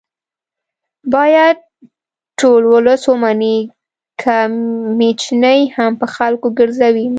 باید ټول ولس ومني که میچنې هم په خلکو ګرځوي